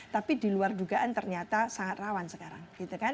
tapi diluar dugaan ternyata sangat rawan sekarang